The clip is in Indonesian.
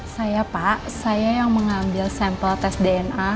saya pak saya yang mengambil sampel tes dna